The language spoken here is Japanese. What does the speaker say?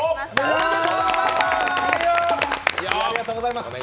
おめでとうございまーす！